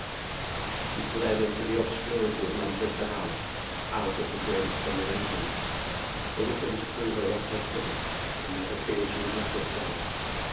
She fled into the obscurity of Manchester House, out of the grey summer evening. The Withams threw her off her pivot, and made her feel she was not herself.